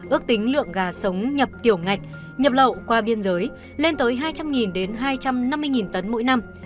ước tính lượng gà sống nhập tiểu ngạch nhập lậu qua biên giới lên tới hai trăm linh hai trăm năm mươi tấn mỗi năm